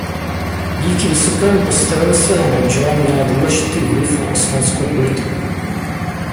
Díky vysokému postavení svého manžela měla důležitý vliv na osmanskou politiku.